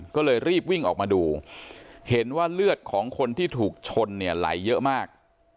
ก็เลยรีบวิ่งออกมาดูเห็นว่าเลือดของคนที่ถูกชนเนี่ยไหลเยอะมาก